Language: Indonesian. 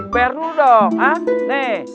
bayar dulu dong